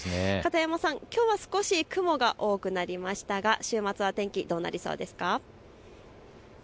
片山さん、きょうは少し雲が多くなりましたが週末は天気どうなりそうですか。